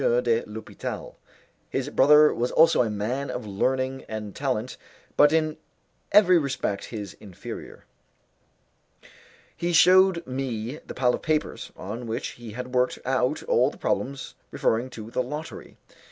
de l'Hopital. His brother was also a man of learning and talent, but in every respect his inferior. He shewed me the pile of papers, on which he had worked out all the problems referring to the lottery.